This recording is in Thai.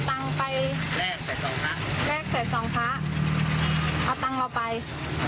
แต่ที่สุดท้ายมันก็หายไปแล้ว